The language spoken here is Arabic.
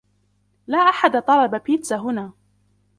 لا أحد طلب بيتزا هنا.